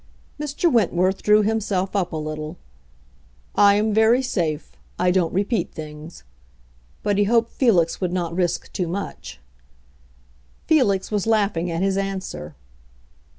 Mr. Wentworth drew himself up a little. "I am very safe; I don't repeat things." But he hoped Felix would not risk too much. Felix was laughing at his answer.